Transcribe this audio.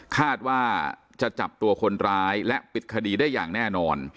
คาดว่าจะจับตัวคนร้ายและปิดคดีได้อย่างแน่นอน